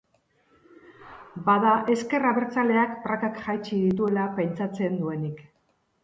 Bada ezker abertzaleak prakak jaitsi dituela pentsatzen duenik.